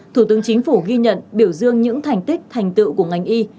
thủ tướng chính phủ ghi nhận biểu dương những thành tích thành tựu của ngành y